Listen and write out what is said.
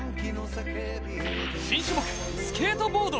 新種目、スケートボード。